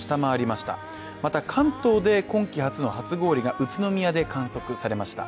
また関東で今季初の初氷が宇都宮で観測されました。